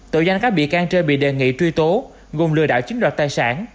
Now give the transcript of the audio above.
tội danh các bị can trên bị đề nghị truy tố gồm lừa đảo chiếm đoạt tài sản